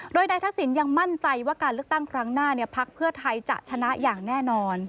โดยนายทักษิณยังมั่นใจว่าการเลือกตั้งครั้งหน้าพักเพื่อไทยจะชนะอย่างแน่นอน